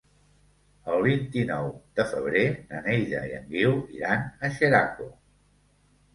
El vint-i-nou de febrer na Neida i en Guiu iran a Xeraco.